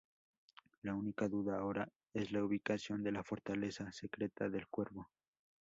La única duda ahora es la ubicación de la fortaleza secreta del Cuervo.